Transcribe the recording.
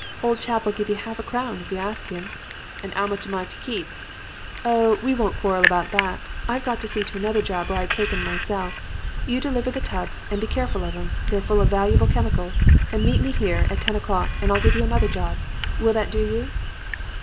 "'Old chap'll give you half a crown, if you ask him.' "'And 'ow much am I to keep?' "'Oh, we won't quarrel about that. I've got to see about another job or I'd take 'em myself. You deliver the tubs and be careful of 'em. They're full of valuable chemicals and meet me here at ten o'clock and I'll give you another job. Will that do you?'